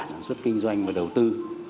sản xuất kinh doanh và đầu tư